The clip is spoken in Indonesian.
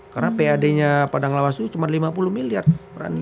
karena pad nya padang lawas itu cuma lima puluh miliar